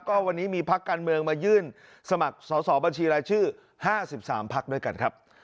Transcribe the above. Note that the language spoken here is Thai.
ก็วันนี้มีพักการเมืองมายื่นสมัครสอบบัญชีรายชื่อ๕๓พักด้วยกันครับ